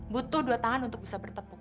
butuh dua tangan untuk bisa bertepuk